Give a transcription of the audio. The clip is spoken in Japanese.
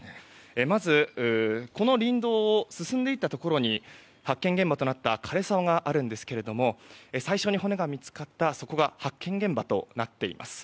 まず、この林道を進んでいったところに発見現場となった枯れ沢があるんですがそこが最初に骨が見つかった発見現場となっています。